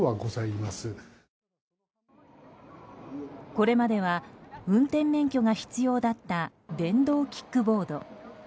これまでは運転免許が必要だった電動キックボード。